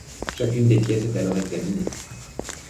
Chacune des pièces est alors examinée.